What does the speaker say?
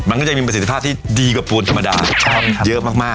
มันก็จะมีประสิทธิภาพที่ดีกว่าปูนธรรมดาเยอะมาก